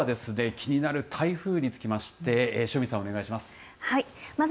気になる台風につきまして塩見さん、お願いします。